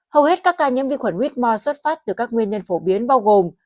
hầu hết các ca nhiễm vi khuẩn whore xuất phát từ các nguyên nhân phổ biến bao gồm